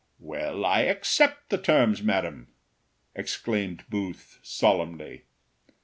"Well, I accept the terms, madam!" exclaimed Booth, solemnly.